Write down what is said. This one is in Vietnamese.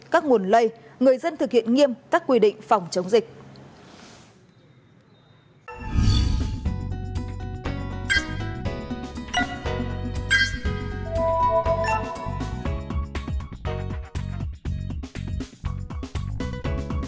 các nguồn lây người dân thực hiện nghiêm các quy định phòng chống dịch